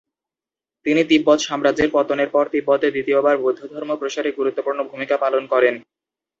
তিনি তিব্বত সাম্রাজ্যের পতনের পরে তিব্বতে দ্বিতীয়বার বৌদ্ধধর্ম প্রসারে গুরুত্বপূর্ণ ভূমিকা পালন করেন।